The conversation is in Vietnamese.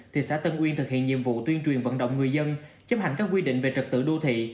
thị xã tân uyên thực hiện nhiệm vụ tuyên truyền vận động người dân chấp hành các quy định về trật tự đô thị